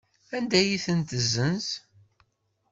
Anda ay ten-tessenz?